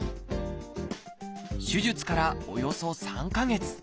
手術からおよそ３か月。